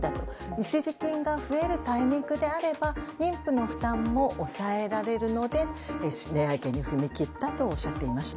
一時金が増えるタイミングであれば妊婦の負担も抑えられるので値上げに踏み切ったとおっしゃっていました。